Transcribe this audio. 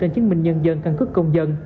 chứng minh nhân dân căn cức công dân